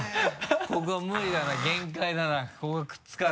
ここ無理だな限界だな